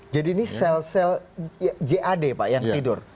jadi ini sel sel jad pak yang tidur